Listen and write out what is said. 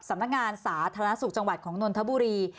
สำนักงานสาธารณสุขจังหวัดของนนทบุรี